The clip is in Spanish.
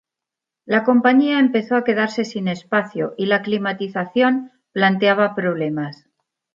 La compañía empezó a quedarse sin espacio y la climatización planteaba problemas.